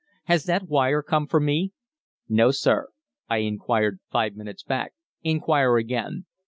"Has that wire come for me?" "No, sir. I inquired five minutes back." "Inquire again."